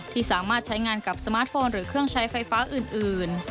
ที่สามารถใช้งานกับสมาร์ทโฟนหรือเครื่องใช้ไฟฟ้าอื่น